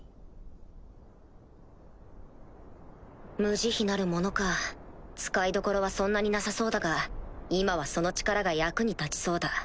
心無者か使いどころはそんなになさそうだが今はその力が役に立ちそうだ。